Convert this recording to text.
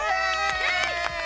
イエーイ！